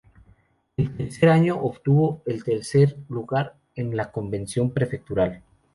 En tercer año obtuvo el tercer lugar en la convención prefectural.